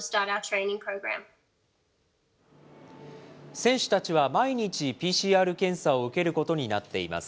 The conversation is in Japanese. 選手たちは毎日、ＰＣＲ検査を受けることになっています。